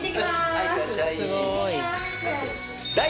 はいいってらっしゃい。